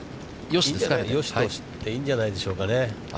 いや、よしとしていいんじゃないでしょうかね。